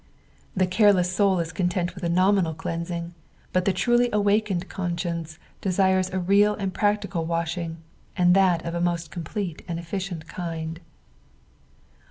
The carelets soul is content with a nominal cleansing, but the truly awakened conscience desires a real and practical washing, and that of a most complete and efficient kind.